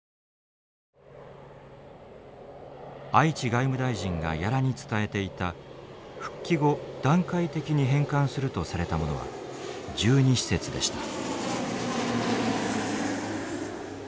愛知外務大臣が屋良に伝えていた復帰後段階的に返還するとされたものは１２施設でした。